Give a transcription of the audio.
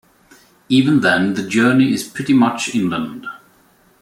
Even then the journey is pretty much inland.